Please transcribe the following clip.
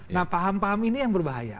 nah paham paham ini yang berbahaya